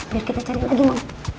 biar kita cari lagi mau